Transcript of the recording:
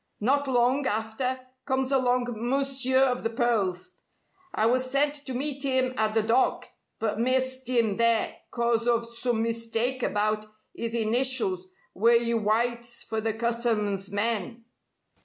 Not long after, comes along Mounseer of the pearls. I was sent to meet 'im at the dock, but missed 'im there, 'cause o' some mistike about 'is initials w'ere you wites for the Customs men.